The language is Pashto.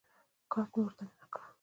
کارت مې ور دننه کړ.